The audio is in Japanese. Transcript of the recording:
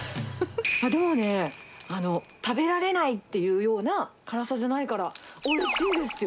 でもね、食べられないっていうような辛さじゃないから、おいしいですよ。